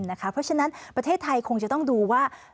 เพราะฉะนั้นประเทศไทยคงจะต้องดูว่า